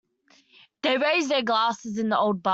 They raised their glasses in the old bar.